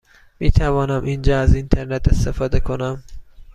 می توانم اینجا از اینترنت استفاده کنم؟